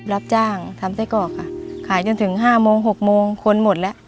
รับจ้างทำไส้กรอกค่ะขายจนถึงห้าโมงหกโมงคนหมดแล้ว